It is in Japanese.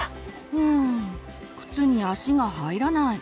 うん靴に足が入らない。